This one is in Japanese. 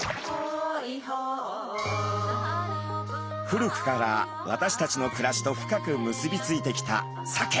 古くから私たちの暮らしと深く結び付いてきたサケ。